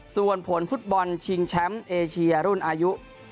ส่วนผลฟุตบอลชิงแชมป์เอเชียรุ่นอายุ